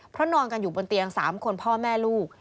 เพราะนอนกันอยู่บนเตียง๓คนพ่อแม่ลูก